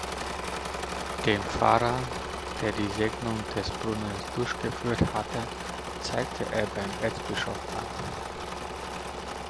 Den Pfarrer, der die Segnung des Brunnens durchgeführt hatte, zeigte er beim Erzbischof an.